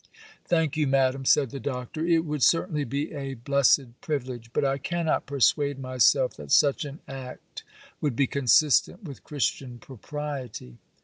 'Thank you, madam,' said the Doctor, 'it would certainly be a blessed privilege, but I cannot persuade myself that such an act would be consistent with Christian propriety.